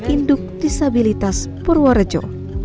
induk disabilitas purworejo